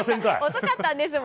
遅かったんですよ。